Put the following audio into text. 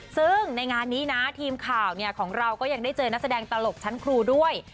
ซึ่งในงานนี้นะทีมข่าวของเราก็ยังได้เจอนักแสดงตลกชั้นครูด้วย